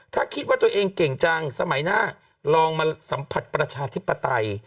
ถ้าคิดว่าตัวเองเก่งจังสมัยหน้าลองมาสัมผัสประชาธิปไตย